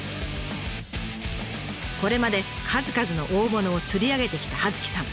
これまで数々の大物を釣り上げてきた葉月さん。